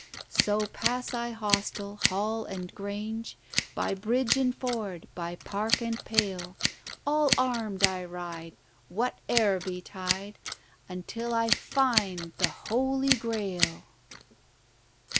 So pass I hostel, hall, and grange; By bridge and ford, by park and pale, All arm'd I ride, whate'er betide, Until I find the Holy Grail.